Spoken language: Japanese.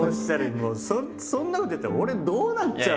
もうそんなこと言ったら俺どうなっちゃうのよ？